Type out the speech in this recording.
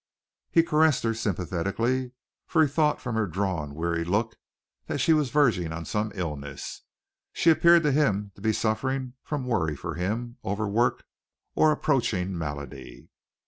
He caressed her sympathetically, for he thought from her drawn, weary look that she was verging on some illness. She appeared to him to be suffering from worry for him, overwork, or approaching malady.